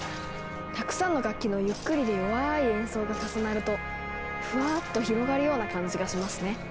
たくさんの楽器のゆっくりで弱い演奏が重なるとふわっと広がるような感じがしますね。